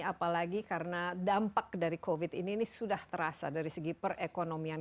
apalagi karena dampak dari covid ini ini sudah terasa dari segi perekonomian